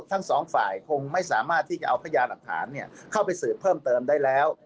ทั้งสองฝ่ายคงไม่สามารถที่จะเอาพยานหลักฐานเข้าไปสืบเพิ่มเติมได้แล้ว